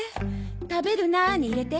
「たべるな！」に入れて。